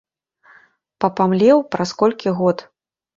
Папамлеў праз колькі год!